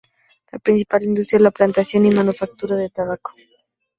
La principal industria es la plantación y manufactura de tabaco.